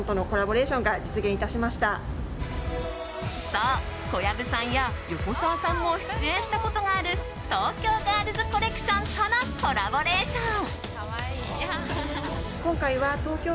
そう、小籔さんや横澤さんも出演したことがある東京ガールズコレクションとのコラボレーション。